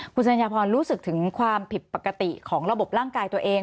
คุณสัญญาพรรู้สึกถึงความผิดปกติของระบบร่างกายตัวเอง